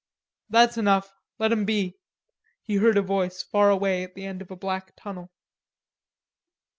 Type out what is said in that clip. "That's enough, let him be," he heard a voice far away at the end of a black tunnel.